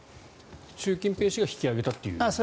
習近平氏が引き上げたという。